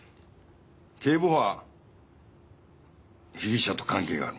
警部補は被疑者と関係がある。